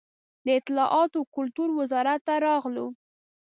د اطلاعات و کلتور وزارت ته راغلو.